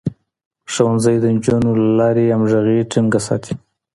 ښوونځی د نجونو له لارې همغږي ټينګه ساتي.